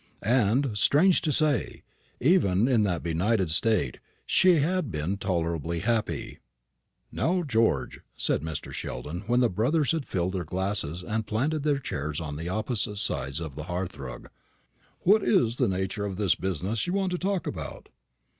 And, strange to say, even in that benighted state, she had been tolerably happy. "Now, George," said Mr. Sheldon, when the brothers had filled their glasses and planted their chairs on the opposite sides of the hearth rug, "what's the nature of this business that you want to talk about?"